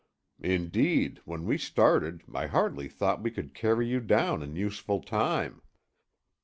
Indeed, when we started I hardly thought we could carry you down in useful time."